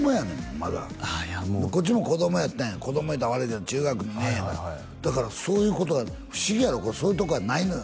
まだこっちも子どもやったんや子ども言うたら悪いけど中学２年やだからそういうことが不思議やろそういうとこがないのよ